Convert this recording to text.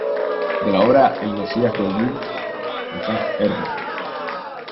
De la obra El Mesías de Dune de Frank Herbert.